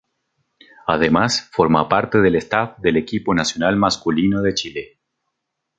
Además, forma parte del staff del equipo nacional masculino de Chile.